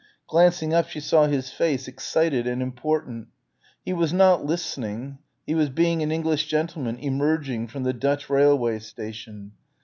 Glancing up she saw his face excited and important. He was not listening. He was being an English gentleman, "emerging" from the Dutch railway station.